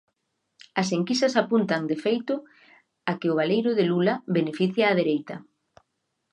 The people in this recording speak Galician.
As enquisas apuntan, de feito, a que o baleiro de Lula beneficia á dereita.